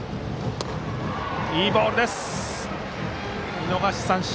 見逃し三振。